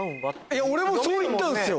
俺もそういったんですよ